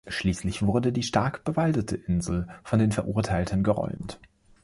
Schließlich wurde die stark bewaldete Insel von den Verurteilten geräumt.